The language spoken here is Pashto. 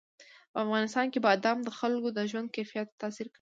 په افغانستان کې بادام د خلکو د ژوند په کیفیت تاثیر کوي.